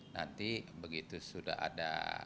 nanti begitu sudah ada